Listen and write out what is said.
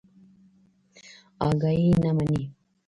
اگه يې نه مني.